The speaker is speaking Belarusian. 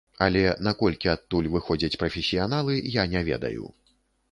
Але наколькі адтуль выходзяць прафесіяналы, я не ведаю.